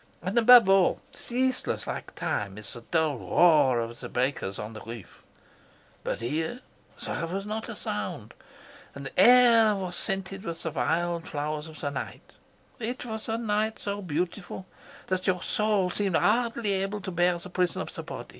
And above all, ceaseless like time, is the dull roar of the breakers on the reef. But here there was not a sound, and the air was scented with the white flowers of the night. It was a night so beautiful that your soul seemed hardly able to bear the prison of the body.